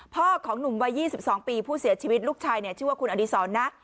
ของหนุ่มวัย๒๒ปีผู้เสียชีวิตลูกชายชื่อว่าคุณอดีศรนะ